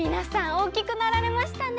おおきくなられましたね。